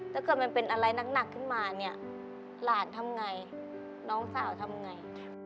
ถ้าเกิดมันเป็นอะไรหนักขึ้นมาเนี่ยหลานทำไงน้องสาวทำไง